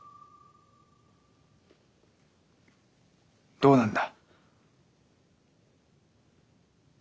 どうなんだ？